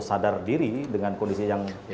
sadar diri dengan kondisi yang